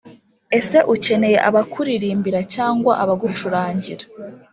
ese ukeneye abakuririmbira cyangwa abagucurangira